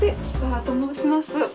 菊原と申します。